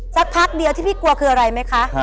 สักพักเดียวที่พี่กลัวคืออะไรไหมคะ